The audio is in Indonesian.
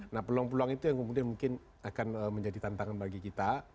nah peluang peluang itu yang kemudian mungkin akan menjadi tantangan bagi kita